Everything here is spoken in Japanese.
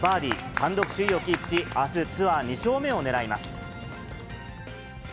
単独首位をキープし、あすツアー２勝目を狙います。